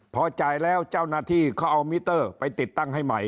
พอจ่ายแล้วเจ้าหน้าที่เขาเอามิเตอร์ไปติดตั้งให้ใหม่